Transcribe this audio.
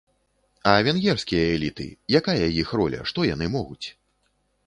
А венгерскія эліты, якая іх роля, што яны могуць?